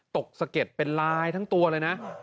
ตกสเกจเป็นลายทั้งทัวร์เลยนะ